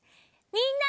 みんな！